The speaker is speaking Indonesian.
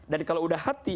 dan kalau udah hati